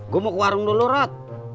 gue mau ke warung dulu rod